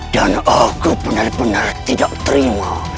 dan aku benar benar tidak terima